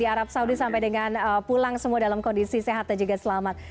arab saudi sampai dengan pulang semua dalam kondisi sehat dan juga selamat